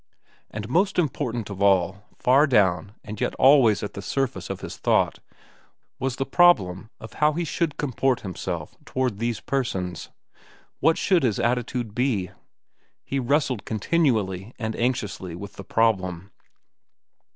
And most important of all, far down and yet always at the surface of his thought, was the problem of how he should comport himself toward these persons. What should his attitude be? He wrestled continually and anxiously with the problem.